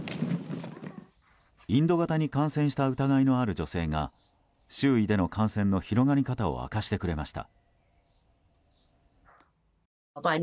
インド型に感染した疑いのある女性が周囲での感染の広がり方を明かしてくれました。